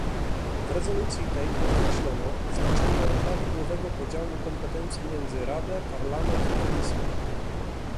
W rezolucji tej podkreślono znaczenie prawidłowego podziału kompetencji między Radę, Parlament i Komisję